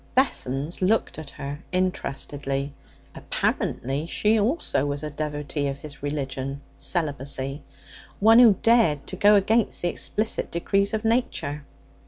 Vessons looked at her interestedly. Apparently she also was a devotee of his religion celibacy; one who dared to go against the explicit decrees of nature.